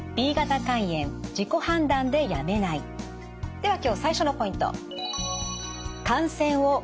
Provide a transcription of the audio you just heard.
では今日最初のポイント。